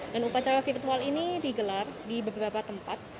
dan upacara virtual ini digelar di beberapa tempat